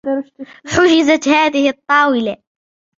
حجزت هذه الطاولة.